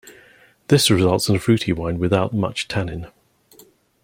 This results in a fruity wine without much tannin.